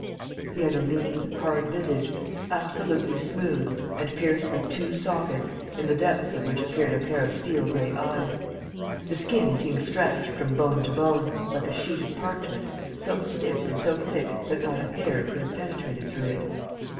He had a lean, hard visage, absolutely smooth and pierced with two sockets in the depths of which appeared a pair of steel gray eyes. The skin seemed stretched from bone to bone, like a sheet of parchment, so stiff and so thick that not a hair could have penetrated through it.